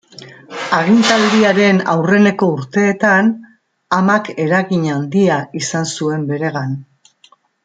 Agintaldiaren aurreneko urteetan amak eragin handia izan zuen beregan.